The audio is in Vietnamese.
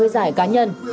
bảy mươi giải cá nhân